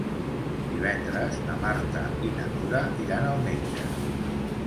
Divendres na Marta i na Nura iran al metge.